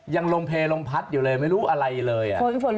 ยังลมเพลลมพัดอยู่เลยไม่รู้อะไรเลย